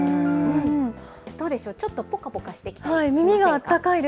どうでしょう、ちょっとぽかぽかしてきたりしませんか。